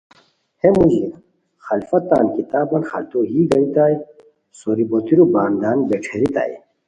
ہے موژی خلفہ تان کتابان خلتو یی گانیتائے سوری بوتیرو بندان بیݯھیریتائے